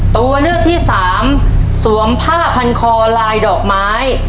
ตัวเลือกที่สามสวมผ้าพันคอลายดอกไม้